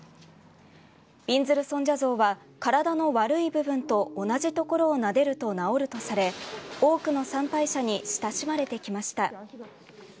びんずる尊者像は体の悪い部分と同じ所をなでると治るとされ多くの参拝者に親しまれてきました。